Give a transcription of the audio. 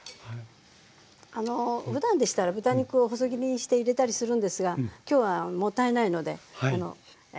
ふだんでしたら豚肉を細切りにして入れたりするんですが今日はもったいないのでまだまだだしが出ますから。